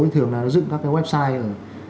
thì thường là nó dựng các cái website